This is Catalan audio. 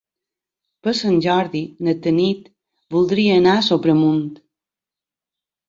Per Sant Jordi na Tanit voldria anar a Sobremunt.